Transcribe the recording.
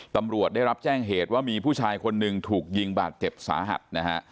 ตำรวจได้รับแจ้งเหตุว่ามีผู้ชายคนหนึ่งถูกยิงบาดเจ็บสาหัสนะฮะ